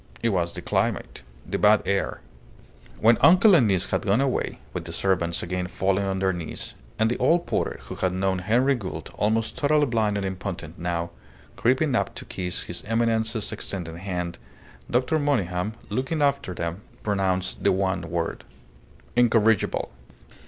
It was the climate the bad air. When uncle and niece had gone away, with the servants again falling on their knees, and the old porter, who had known Henry Gould, almost totally blind and impotent now, creeping up to kiss his Eminence's extended hand, Dr. Monygham, looking after them, pronounced the one word "Incorrigible!"